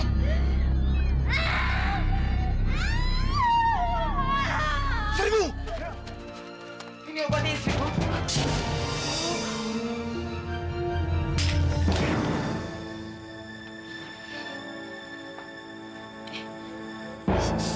ini obatnya seribu